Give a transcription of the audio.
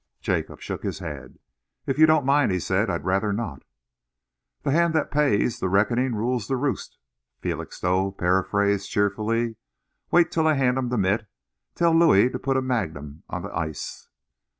Jacob shook his head. "If you don't mind," he said, "I'd rather not." "The hand that pays the reckoning rules the roost," Felixstowe paraphrased cheerfully. "Wait till I hand 'em the mit. Tell Louis to put a magnum on the ice."